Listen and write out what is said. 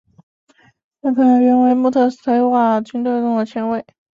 恰卡原为穆特提瓦军队中的前卫。